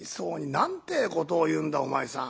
何てことを言うんだお前さん。